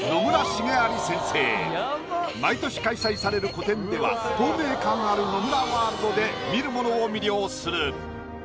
毎年開催される個展では透明感ある野村ワールドで見る者を魅了する。